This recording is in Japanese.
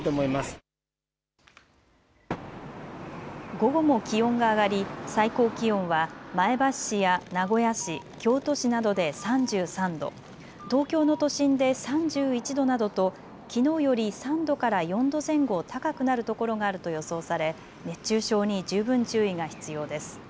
午後も気温が上がり最高気温は前橋市や名古屋市、京都市などで３３度、東京の都心で３１度などときのうより３度から４度前後高くなるところがあると予想され熱中症に十分注意が必要です。